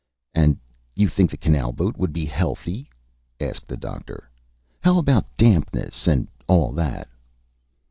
"And you think the canal boat would be healthy?" asked the Doctor. "How about dampness and all that?"